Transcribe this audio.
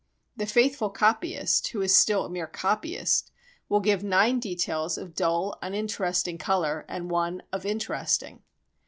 The faithful copyist, who is still a mere copyist, will give nine details of dull uninteresting colour and one of interesting.